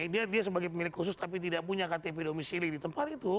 dia sebagai pemilik khusus tapi tidak punya ktp domisili di tempat itu